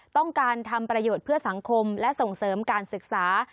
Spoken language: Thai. ต้องการทำประโยชน์เพื่อสังคมและส่งเสริมการศึกษา